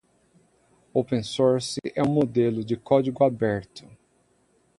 Open Source é um modelo de código aberto.